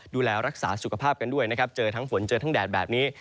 ดูแลรักษาสุขภาพกันด้วยนะครับเจอทั้งฝนเจอทั้งแดดแบบนี้